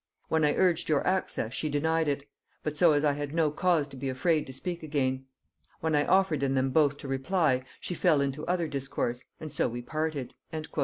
When I urged your access she denied it, but so as I had no cause to be afraid to speak again. When I offered in them both to reply, she fell into other discourse, and so we parted." &c.